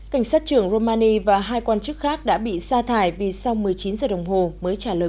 cảnh sát trưởng romani và hai quan chức khác đã bị sa thải vì sau một mươi chín giờ đồng hồ mới trả lời